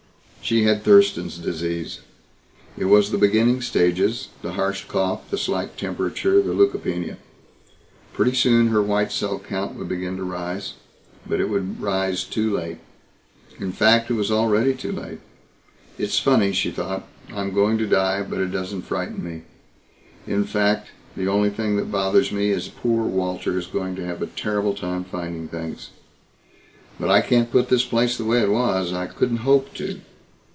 She had Thurston's Disease. It was the beginning stages, the harsh cough, the slight temperature, the leukopenia. Pretty soon her white cell count would begin to rise, but it would rise too late. In fact, it was already too late. It's funny, she thought. I'm going to die, but it doesn't frighten me. In fact, the only thing that bothers me is that poor Walter is going to have a terrible time finding things. But I can't put this place the way it was. I couldn't hope to.